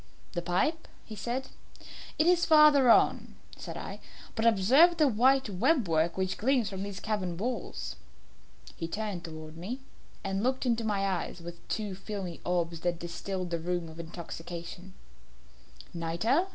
"The pipe," said he. "It is farther on," said I; "but observe the white web work which gleams from these cavern walls." He turned towards me, and looked into my eyes with two filmy orbs that distilled the rheum of intoxication. "Nitre?"